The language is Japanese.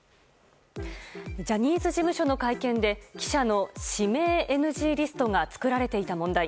ジャニーズ事務所の会見で記者の指名ＮＧリストが作られていた問題。